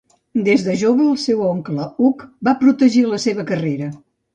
Des de jove, el seu oncle Hug va protegir la seva carrera.